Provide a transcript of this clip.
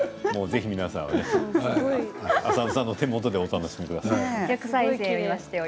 皆さん、浅野さんの手元でお楽しみください。